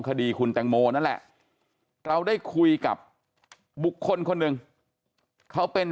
คดีคุณแตงโมนั่นแหละเราได้คุยกับบุคคลคนหนึ่งเขาเป็น